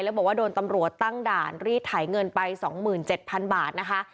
แล้วบอกว่าโดนตำรวจตั้งด่านรีดไถเงินไป๒๗๐๐๐บาทนะคะ